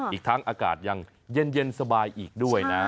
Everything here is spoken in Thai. อีกทั้งอากาศยังเย็นสบายอีกด้วยนะ